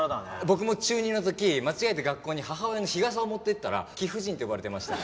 僕も中２の時間違えて学校に母親の日傘を持っていったら貴婦人って呼ばれてました。